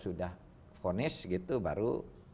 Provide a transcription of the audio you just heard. sudah finish gitu baru